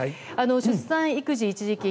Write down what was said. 出産育児一時金